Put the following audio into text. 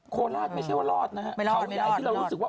โคลาดไม่ได้ที่เรารอดนะฮะ